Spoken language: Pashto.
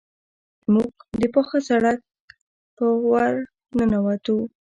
موږ د پاخه سړک په ورننوتو.